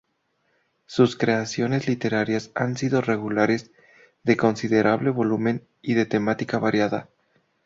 Sus creaciones literarias han sido regulares, de considerable volumen y de temática variada.